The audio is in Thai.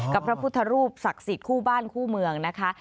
พระพุทธรูปศักดิ์สิทธิ์คู่บ้านคู่เมืองนะคะ